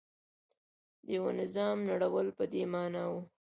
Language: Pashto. د یوه نظام نړول په دې معنا و.